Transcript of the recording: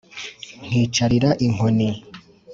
nkicarira inkoni.